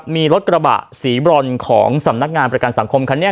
มีรถกระบะสีบรอนของสำนักงานประกันสังคมคันนี้